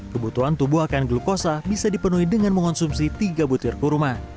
kebutuhan tubuh akan glukosa bisa dipenuhi dengan mengonsumsi tiga butir kurma